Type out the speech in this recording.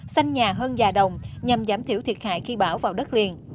xanh nhà hơn già đồng nhằm giảm thiểu thiệt hại khi bão vào đất liền